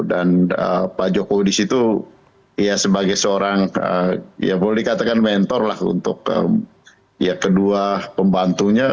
dan pak jokowi di situ ya sebagai seorang ya boleh dikatakan mentor lah untuk ya kedua pembantunya